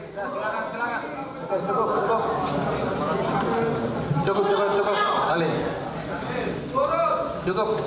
cukup cukup cukup